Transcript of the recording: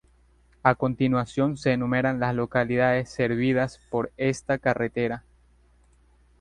A continuación se enumeran las localidades servidas por esta carretera.